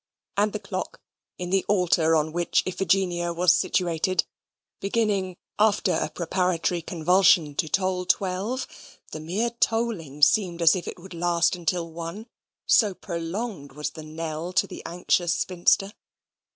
And the clock, in the altar on which Iphigenia was situated, beginning, after a preparatory convulsion, to toll twelve, the mere tolling seemed as if it would last until one so prolonged was the knell to the anxious spinster.